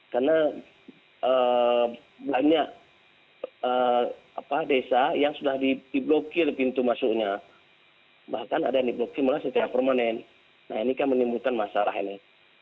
karena banyak desa yang sudah di blokir pintu masuknya bahkan ada yang di blokir setiap permanen nah ini kan menimbulkan masalah ini